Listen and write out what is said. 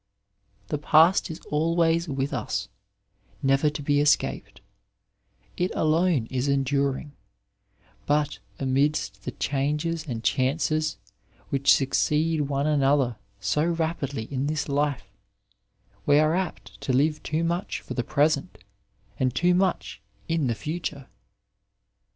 The past is always with us, never to be escaped; it alone is enduring ; but, amidst the changes and chances which succeed one another so rapidly in this life, we are apt to live too much for the present and too much in the future.